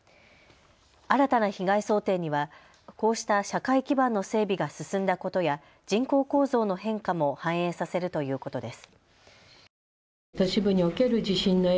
新たな被害想定にはこうした社会基盤の整備が進んだことや人口構造の変化も反映させるということです。